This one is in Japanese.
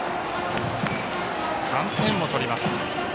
３点を取ります。